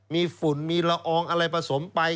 มีฝุ่นมีละอองอะไรผสมไป